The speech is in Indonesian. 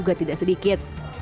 juga tidak sedikit